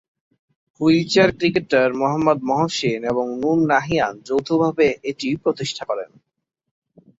Wheelchair cricketer Mohammad Mohsin এবং নূর নাহিয়ান যৌথভাবে এটি প্রতিষ্ঠা করেন।